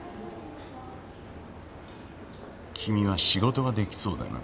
君は仕事が出来そうだな。